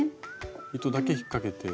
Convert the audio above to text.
糸だけ引っかけて。